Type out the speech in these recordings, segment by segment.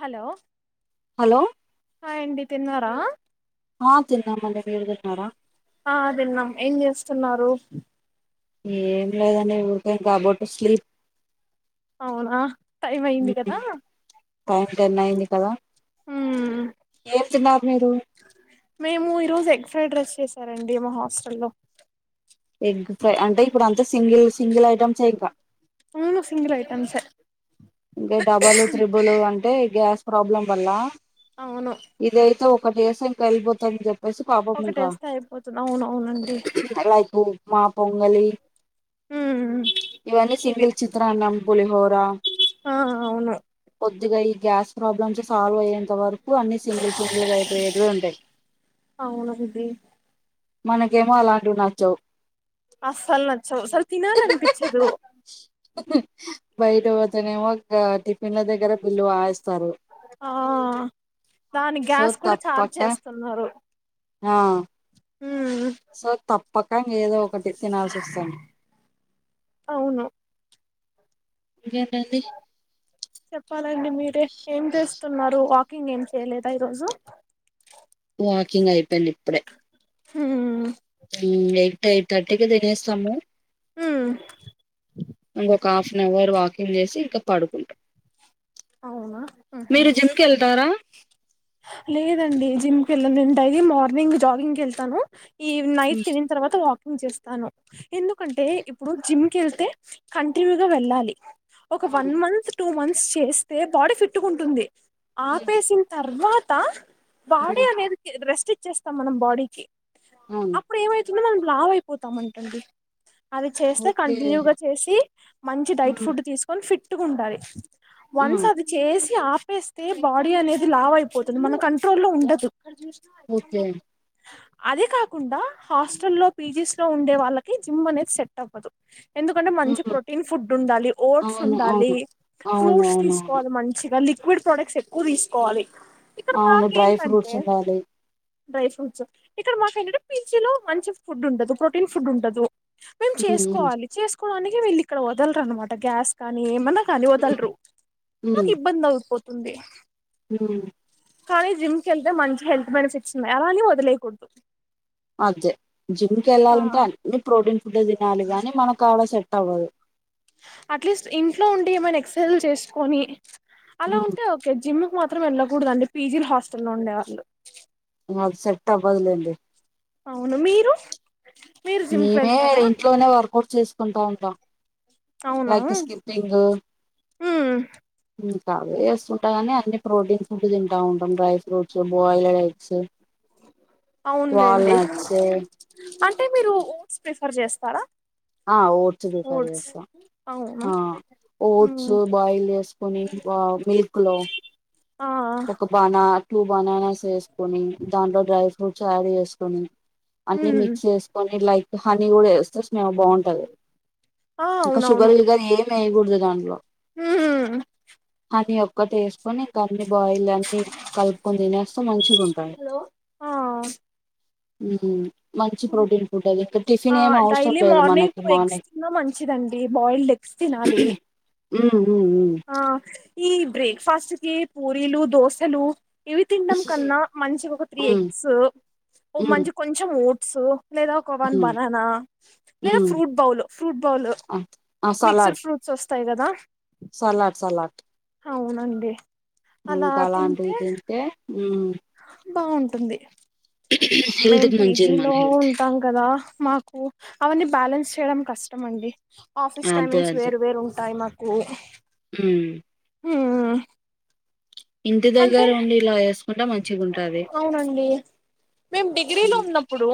Hello hello హాయండి తిన్నారా ఆ తిన్నామండి మీరు దిన్నారా ఆ తిన్నం ఏంజేస్తున్నారు ఏం లేదండి ఊకే కాబోట్టి స్లీప్ అవునా టైం ఐంది కదా టైం టెన్ అయింది హుమ్ చిన్ మేము ఈ రోజు ఎగ్ ఫ్రైడ్ రైస్ చేస్ రండి మా హాస్టల్లో ఎగ్ ఫ్రై అంటే ఇప్పుడు అంత సింగిల్ సింగిల్ ఐటమ్సె ఇంక అవును సింగిల్ ఐటమ్సే ఇంక డబల్ త్రిబుల్ అంటె గ్యాస్ ప్రాబ్లమ్ వల్ల అవును ఇదయితే ఓ ఒకటెసానికి ఏళ్ళపోతంది చెప్ప బసు కాబ ముకా ఒకటేస్తే అయిపోతుంది అవును అవునండి ఐ లైక్ బుక్ మా పొంగలీ మ్మ్ ఇవన్నీ ఇవే సింగిల్ చిత్రానం పులిహోరా ఆ అవును ద్దిగా ఈ గ్యాస్ ప్రాబ్లమ్స్ సాల్వ్ అయ్య ఇంత వరకు అన్ని సింగిల్ సింగిల్గాయిపోయేటివే ఉంటయి అవును ఇది మనకేమో అలాంటివి నచ్చవ్ అసల్ నచ్చవ్ అసలు తినాలనిపిచ్చదు నచ్చవు బయట పోతనేమే గా టిఫిన్ ల దగ్గర బిల్లు వాయిస్తారు ఆ దాని సో గ్యాస్ కూడా చార్జ్ తప్పక చేస్తున్నారు ఆ మ్మ్ సో తప్పక ఏదో ఒకటి తినాల్సి వస్తుాను అవును చెప్పాలండి మీరే ఏం చేస్తున్నారు కుకింగ్ ఏం చేయలేదా ఈరోజు వాకింగ్ అయిపోయిందీ ఇప్పుడే హ ఎయిట్ ఎయిట్ర్టీకి దినేస్తాము హ ఇంకొక హాఫ్ అన్ అవర్ వాకింగ్ చేసి ఇంకా పడుకుంటాం అవునా ఉహు మీరు జిమ్ క వెళ్తారా లేదండి జిమ్ క వెళ్ళ ఉంటది మార్నింగ్ జాగింగ్ క వెళ్తాను ఈ నైట్ తిన తర్వాత వాక్ చేస్తాను ఎందుకంటే ఇప్పుడు జిమ్కి వెళ్తే కంటిన్యూగా వెళ్ళాలి ఒక వన్ అవును మంత్ టూ మంత్స్ చేస్తే బాడీ ఫిట్గా ఉంటుంది హ్మ్. ఆపేసి ఇంత తర్వాత బాడ హ్మ్. అనేది ద్రష్టి వచ్చేస్తాం మనం బాడీకి అవును అప్పుడు ఏమైతుందో మనం లావ అయిపోతామంటండి అది చేస్తే ఓకే కంటిన్యూగా చేసి మంచి డైట్ హ్మ్. ఫుడ్ తీసుకొని ఫిట్ ట్టుకుండాలీ ఆ! వన్స అది చేసి ఆ ఆపేస్త బాడి అనే లావైయిపోతుంది మన కంట్రోల్లో ఉండదు క్కజ ఓకే అదే కాకుండా హాస్ట లో పీజీస్ లో ఉండే వాళ్ళకి జిమ్ అనేది సెట్ అవ్వదు ఎందుకంటే మంచి ప్రొటీన్ ఫుడ్ ఉండాలి ఓట్స్ అవును ఉండాలి అవును అవును ఫ్రూట్స్ అవును అవును తీసుకోవాలి మంచిగా లి క్విడ్ ప్రోడక్స్క్కువ తీస్ కోవాలి అవును డ్రై ఫ్రూట్స్ ఉండాలి డ్రై ఫ్రూట్స్ ఇక్కడ మాక ఏంటంటే పిజిలో మంచి ఫుడ్ ఉండదు ప్రోటీన్ ఫుడ్ ఉండదు మేము హ్మ్. చేసుకోవాలి చేసుకోవడానికి వెళ్ళి ఇక్కడ వదలరనమాట గ్యాస్ కానీ ఏమన్నా కలి దల్ హ్మ్. మా ఇబ్బందపోతు ఉంది హ కానీ జిమ్ కీ వెళ్తే మంచి హెల్త్ బెనిఫిట్స్ ఉన్నాయి అలాని వదిలేయకూడదు మధే్ జిమ్కి ఆ వెళ్ళాలంటే అన్ని ప్రోటీన్స్ పుద్ద దినాలు గాని మన కాల అవదు అట్లీస్ట్ ఇంట్లో ఉంటే ఏమైనా ఎక్సెసైజ్ చేసుకొని అలా ఉంటే ఉమ్ ఓకే జిమ్ మాత్రం వెళ్ళకూడద అండి పీజీల హాస్టల్లో లో ఉండేవాళ్ళు అది సెట్ అవదులేండి అవును మీరు మీరు జిమ్ కి మేమే వెళ్తారా ఇంట్లోనే వర్కౌట్ చేస్తం ఉంటా ఉంటాం అవును లక్ స్కప్పింగ్ ఉమ్ అవే ఏస్తుంటా గాని, అన్ని ప్రోటీన్ ఫుడ్ తింటా ఉంటాం. Dry fruits, boiled eggs. అవున్ లేండి వాల్నట్స్ అన్. టే మీరు ఓట్స్ ప్రిఫర్ జేస్తారా? ఆ ఓట్స్ ప్రిఫర్ జేస్తా. అవునా ఆ, ఓట్స్ మ్మ్ బాయిల్ జేసుకొని, వా మిల్క్ లో ఆ ఒక బనా. Two bananas ఎస్కొని దాంలో డ్రైఫ్. [unintelligible] ఎస్కొని. అన్ని మ్మ్ మిక్స్ ఎస్కొని లైక్. హానీ గూడా ఎస్తా స్నాబ్. బాంటది. ఆ ఇంకా షుగర్, ఈగర్ ఏం ఎయీగూడ్. [unintelligible] హ్మ్. అన్నీ ఒక్కటేస్కొని ఇంకా అన్ని. బాయిల్లన్ని కల్పుకొని తినేస్త మంచిగుంటది. హలో ఆ ఊ. మంచి ప్రోటీన్ ఫుడ్ [inaudible] ఇంకా ఆ టిఫిన్ ఏం అవసం. డైలీ మార్నింగ్ టు ఎగ్స్ తిన్నా మంచిదండి బాయిల్డ్ ఎగ్స్ తినాలి. ఊ. ఆ. ఈ బ్రేక్ఫాస్ట్ కి పూరీలు, దోశలు. ఇవి తిన్డం కన్నా మంచిగా ఒక త్రీ ఉమ్ ఎగ్స్, ఓ మంచి కొంచెం ఓ. సో. లేదా ఒక వన్ ఉమ్ ఉమ్ బనానా, లేదా ఉమ్ ఫ్రూట్ బౌలు, ఫ్రూట్ బౌల్, ఆ సలాడ్ మిక్స్డ్ ఫ్రూట్స్ వస్. తాయి గదా. Salad, salad. అవునండి. అలా ఊంకలాంటివి తింటే. హూ. బావుంటుంది. హెల్త్ మేమ్ కి మంచిది మన పీజీలో హెల్త్ ఉంటాం కదా. ! మాకు అవన్నీ బ్యాలెన్స్ చేయడం కష్టమండీ. ఆఫీస్ టైమింగ్స్ వేరు వేరు ఉంటాయి మాక్. ఓ. ఊ. ఉమ్ హూ ఇంటి దగ్గర ఉండి ఇలా ఏసుకొని అవునండి మేము డిగ్రీలో ఉన్నప్పుడూ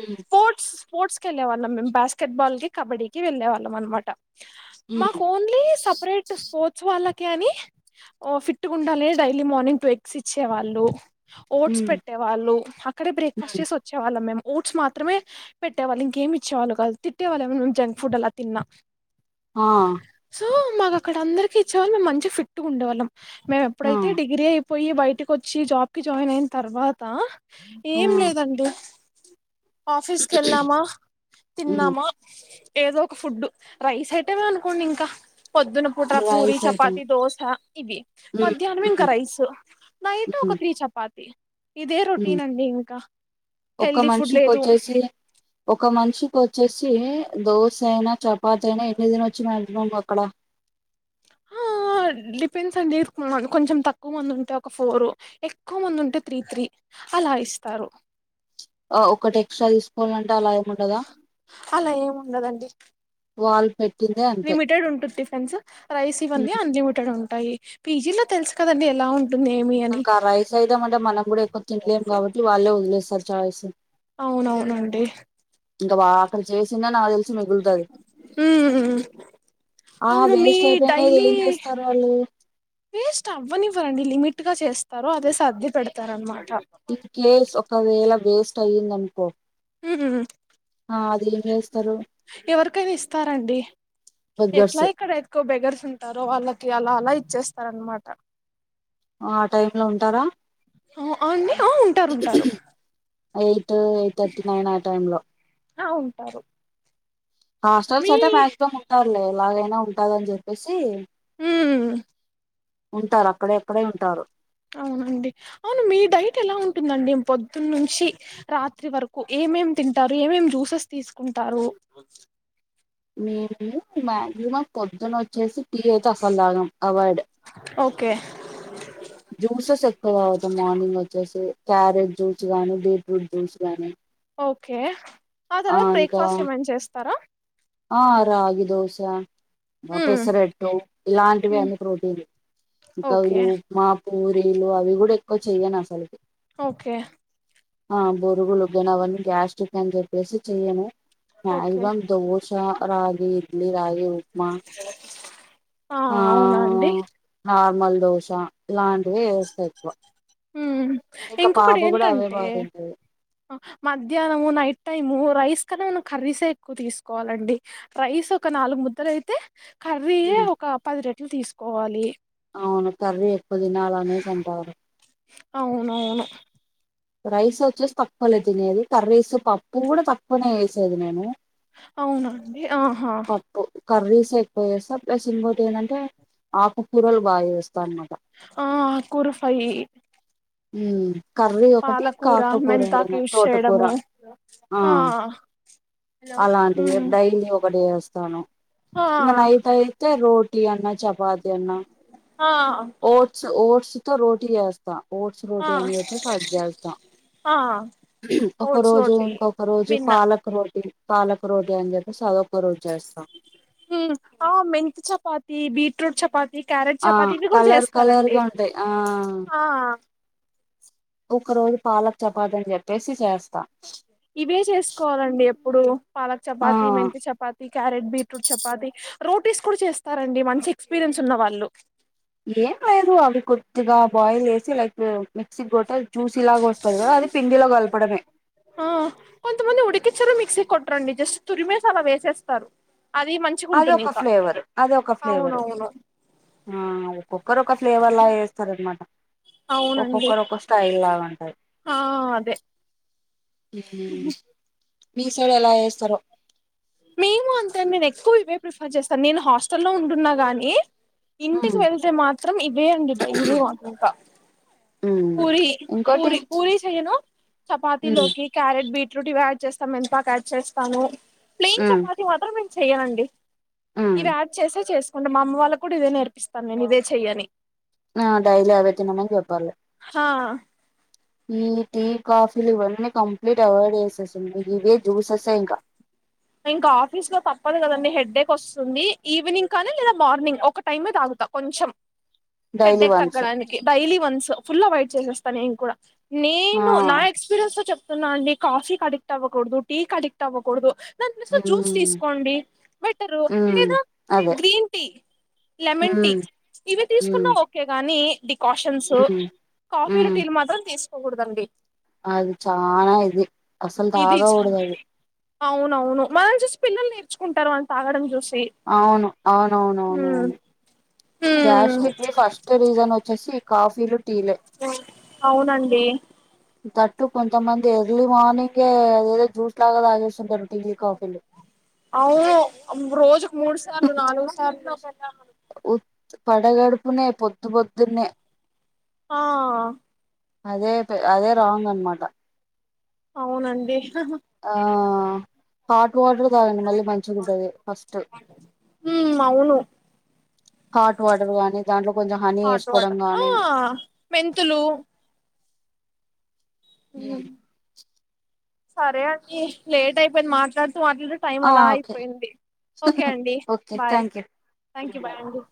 ఉమ్ స్పోర్ట్స్ కెళ్ళే వాళ్ళం మేము బస్కెట్ బాల్ కి కబడ్డీ కిి వెళ్లే వాళ్ళం అనమాట. హ్మ్. మాకు ఓన్లీ సపరేట్ స్పోర్ట్స్ వాళ్ళక్ కే అని ఒ ఫిట్టుగుండాలి డైలీ మార్నింగ్ టు ఎగ్స్ ఇచ్చేవాళ్ళు ఓట్స్ హ్మ్. పెట్టేవాళ్ళు, అక్కడే బ్రేక్ఫాస్ట్ హ్మ్. చేసోచ్చేవాళ్ళం మేము. ట్స్ మాత్రమే పెట్టేవాళ్ళు, ఇంకేమి ఇచ్చేవాళ్ళు కాదు. తిట్టే వాళ్ళ ఏమైన జంక్ ఫుడ్ అలా తిన్నా ఆ! సో మాకక్కడ అందరికి ఇచ్చేవాళ్ళు, మేము మంచి ఫిట్టుగుండేవాళ్ళం. మేము ఆ! ఎప్పుడైతే డిగ్రీ అయిప్ పోయి బయటకి వచ్చి జాబ్ కి జాయిన్ అయిన్తర్వాత ఆ! ఏం లేదండి. ఆఫీస్ కెళ్ళామా, హ్మ్. తిన్నామా ఏదోక ఫుడ్డు, రైస్ ఐటమ్ ఏ అనుకోండింకా. పొద్దున పూట పూరి, రైస్ ఐటెమ్. చపాతి దోశ ఇవి. హ్మ్. మధ్యాహ్నం ఇంక హ్మ్. రైస్, నైట్ ఒక హ్మ్. త్రీ చపాత్ టయి ఇదే హ్మ్. రొటీన్ అండి ఇంకా, ఒక హెల్దీ స్ మనిషికొచ్చేసి, ఒక మనిషికొచ్చేసి తే దోస అయినా చపాతయినా ఎన్ని తినొచ్చు మాక్సిమం అక్కడ? టిఫెన్స్ కొంచెం తక్కువ మంది ఉంటే ఒక ఫోరు, ఎక్కువ మంది ఉంటే త్రీ త్రీ అలా ఇస్తారు. ఆ ఒకటి ఎక్ట్రా తీసుకోవాలంట్ అలా ఏం ఉండదండి. వాల్పెట్ లిమిటెడ్ ఉంటుద్ది తెల్సా? రైస్ ఇవన్నీ హ్మ్. అన్లిమిటెడ్ ఉంటాయి. పీ జీ లో తెలుసు కదాండి ఎలా ఉన్ ఇంకా రైస్ అయిటమంటే మనం కూడా ఎక్కువ తినలేము కాబట్టి వాళ్ళే ఒదిలేస్తరు చాయస్. అవునవునండి ఇంక బా అక్కడ చేసినా [unintelligible] హ్మ్ ఆ అవును మీ వేస్ట్ అయిపోయినది డైలీ ఏం జేస్తారు వాళ్ళు? వేస్ట్ అవ్వనివ్వరండి లిమిట్ గా చేస్ తర్వాతే సర్ది పెడతారు అనమాట్ ఇన్ కేస్ ఒక్ కవేళ వేస్ట్ అయ్యిందనుకో ఉ ఆ అది ఏం చేస్తారు ఎవరికైనా ఇస్తారంండి ఎట్లా బెగ్గర్స్ ఇక్కడ ఎతుకో బెగర్సుంటారో వాళ్ళకి అలా అలా ఇచ్చేస్తారనమాట ఆ టైమ్ లో ఉంటారా ఆ అ అండి ఆ ఉంటారు ఉంటారు అవు ఎయిట్ తర్టీ నైన్ ఆ టైమ్ లో ఆ ఉంటారు హస్టల్ మీ మ్యాక్ లే ఎలాగైనా ఉంటదని చెప్పేసి హ ఉంటారు అక్కడే అక్కడే ఉంటారు అవునండి అవును మీ డైట్ ఎలా ఉంటుందండి పొద్దున్న నుంచి రాత్రి వరకు ఏమేం తింటారు ఏమేం జ్యూసెస్ తీసుకుంటారు మేము మా్యా మాకు పొద్దున వచ్చేసి టి ఐతే అసతాగాం అవార్డ్ ఓకే జ్యూసెస్ ఎక్కువ తగుతాం మార్నింగ్ వచ్చేసి క్యారెట్ జ్యూస్ గానీ బీట్రూట్ జ్యూస్ గానీ ఓకే ఆ తర్వాత బ్రేక్ఫాస్ట్ ఏమన్నా చేస్తారా ఆ అరగది వశా [unintelligible] మ్మ్ పెసరెట్టు ఇలాంటివి మ్మ్ అన్నీ ప్రోటీన్లు ఇంకా ఓకే ఉప్పమా పూరీలు అవి కూడా ఎక్కువ చెయను అసలుకి ఓకే ఆ బురుగులుగన అవన్నీ గ్యాస్టి్రిక్ అని చెప్పసి చెయ్యను ఇ ఓకే ష రాగి ఇడ్లీ రాగి ఉప్మా ఆ అవునా అండి రాగి మల్దోస లాంటి ఇంకా పాప ఇంకొకటి కూడా అవే ఏంటంటే బాగా తింటది మధ్యాహ్నము నైట్ టైము రైస్ కన్నా మనం కర్రీసే ఎక్కువ తీసుకోవాలండి రైస్ ఒక నాలుగు ముద్దలు అయితే కర్రీ హ్మ్. ఒక పది రెట్లు తీసుకోవాలి అవును కర్రీ కొది తినాల అనేసి అంటారు అవునవును రైస్ వచ్చేసి తక్కువలే తినేది కర్రీస్ పప్పు కూడా తక్కువనే వేసేది నేను అవునండి ఆహా పప్పు కర్రీస్ ఎక్కువ చేస్తా ప్లస్ ఇంకోటి ఏంటంటే ఆకుకూరలు బాగా చేస్తా అన్ మాట ఆ కురుఫయి ఉమ్ కా ఒకటి కాకకూర మెంతాకు ఏదైనా యూస్ తోటకూర చేయడము ఆ అలాంటివి మ్మ్ డైలీ ఒకటి చేస్తా తాను ఆ మన అయితయితే రోడ్ ఇడ్లీ అన్న చపాతి దన్నా ఆ ఓట్స్ ఓట్స్ తో రోటీ చేస్తా ఓట్స్ ఆ రోటీ అని చెప్పేసి అది జేస్తా ఆ ఒక ఓట్స్ రోజు రోటీ ఇంకొక రోజు విన్నా పాలక్ రోటి పాలక్ రోటీ అని చెప్పిసి అదొక రోజు చేస్తా ఉ ఆ మెంతి చపాతి బీట్ రూట్ చపాతి ఈ క్యారెట్ ఆ చపాతి ఇవి కూడా కలర్ కలర్ చేస్తారండి గా ఉంటాయి ఆ ఆ ఒక రోజు పాలక్ చపాతి అని చెప్పేసి చేస్తా ఇప్పుడు పాలక్ ఆ చపాతి మెంతి చపాతి క్యారెట్ బీట్రూట్ చపాతి రోటీస్ కూడా చేస్తారండి మంచి ఎక్పీరియన్స్ ఉన్నవాళ్ళు ఏం లేదు అవి కొద్దిగా బాయిల్ వేసి లైక్ మిక్సీకి కొ తే జ్యూసీ లాగ వస్తాది కదా అది పిండిలో కలపడమే కొట్రాండి జస్ట్ తురి మేస్ అలా వేసేస్తారు అది అది మంచిగుంటుంది ఒక ఇంకా ఫ్లేవర్ అది ఒక ఫ్లేవర్ అవునవును ఆ ఒక్కొక్కరు ఒక ఫ్లేవర్ లా చేస్తార అనమాట అవునండి ఉంటది ఆ అదే ఉ మీసైడ్ ఎలా చేస్తారో మేము అంతే నేను ఎక్కువ ఇవే ప్రిఫర్ చేస్తాను నేను హాస్టల్ల్లో ఉంటున్నా గాని ఇంటికి ఉమ్ వెళ్తే మాత్రం ఇవె అండి డైలీ వంట ఇంకా ఉమ్ పూరి ఇంకోటి పూరి పూరి చెయను ఉమ్ చపాతీలోకి క్యారెట్ బీట్రూట్ ఇ చేస్తాము మెంతాకు యాడ్ చేస్తాము ప్లైన్ ఉమ్ చపాతి మాత్రం చెయ్యమండి ఉమ్ ఇవి యాడ్ చేసె చేసుకో టే మా అమ్మ వాళ్ళ కూడా ఇదే నేర్పిస్తాను నేను ఇదే చెయ్యని ఆ డైలీ అవే తినమని చెప్పాలే ఆ ఈ టీ కాఫీలు ఇవన్నీ కంప్లీట్ అవాయిడ్ చేసేస్తుంది ఇవే జ్యూసెసే ఇంకా ఇంకా ఆఫీస్ లో తప్పదు కదండి హెడ్డేక్ వస్తుంది ఈవినింగ్ కానీ లేదా మార్నింగ్ ఒక టైమే తాగుతా కొంచెం డైలీ హెడ్డేక్ వన్స్ తగ్గడానికి డైలీ వన్స్ ఫుల్ అవైట్ చేసేస్తా నేను కూడా ఆ నేను నా ఎక్స్పీరియన్స్ తో చెప్ ప్తున్న అండి కాఫికి అడిక్టవ్వకూడదు టీీ కడిక్టవ్వకూడదు దాని ప్లేస్లో జ్యూస్ ఉమ్ తీసుకోండి బెటరు ఉమ్ లేదా అదే గ్రీన్ టీ లెమన్ టీ ఉమ్ ఇవి ఉమ్ తీసుకున్నా ఓకే కానీ డికాషన్స్ ఉమ్ కాఫీలు ఉమ్ టీలు మాత్రం తీసుకు కోకూడదండి అది చానా ఇది అసలు తాగకూడదది అవును నవును మనల్ని చూసి పిల్లలు నేర్చుకుంటారు అని తాగడం చూసి అవును ఉమ్ అవునవునవునవును గ్యాస్ట్రిక్ ఏ ఫస్ట్ రీజన్ వచ్ చ్చేసి కాఫీలు టీలు అవునండి దట్టు కొంతమంది ఎర్లీ మార్నింగే అదేదో జ్యూస్ లాగా తాగేస్తుంటారు టీలు కాఫీలు అవును రోజుకు మూడు సార్లు నాలుగు సార్లు ఉర్ పడగడుపునే పొద్దు పొద్దునే ఆ అదే పె అదే రాంగ్ అనమాట అవునండి ఆ హ హాట్ వాటర్ తాగండి మళ్ళీ మంచిగుంటది ఫస్ట్ ఉమ్ అవును హాట్ వాటర్ గానీ దాంట్లో కొంచెం హనీ హాట్ ఏసుకోవడం వాటర్ ఆ గానీ మెంతులు మ్మ్ సరే అండి లేట్ అయిపోయింది మాట్లా మాట్లడి టైం ఆ అలా ఓకే అయిపోయింది ఓకే అండి okay bye thank you thank you bye అండి